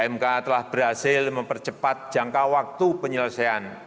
mk telah berhasil mempercepat jangka waktu penyelesaian